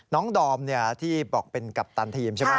ดอมที่บอกเป็นกัปตันทีมใช่ไหม